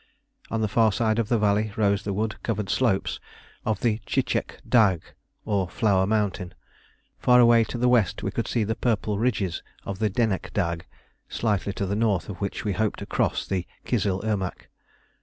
On the far side of the valley rose the wood covered slopes of the Tchitchek Dagh, or Flower Mountain. Far away to the west we could see the purple ridges of the Denek Dagh, slightly to the north of which we hoped to cross the Kizil Irmak.